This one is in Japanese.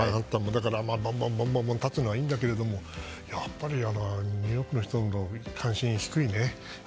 だから、ボンボン建つのはいいんだけれどニューヨークの人も関心が低いね。